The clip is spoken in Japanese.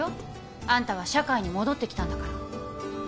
あんたは社会に戻ってきたんだから。